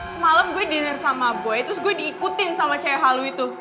semalam gue denger sama boy terus gue diikutin sama cahaya halu itu